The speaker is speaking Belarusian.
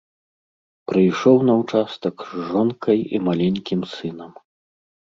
Прыйшоў на ўчастак з жонкай і маленькім сынам.